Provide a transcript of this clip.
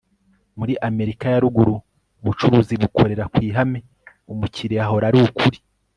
Muri Amerika ya Ruguru ubucuruzi bukorera ku ihame umukiriya ahora ari ukuri